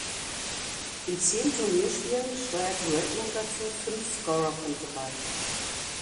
In zehn Turnierspielen steuerte Redmond dazu fünf Scorerpunkte bei.